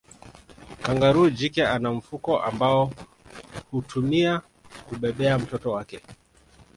Kangaroo jike ana mfuko ambao hutumia kubebea mtoto wake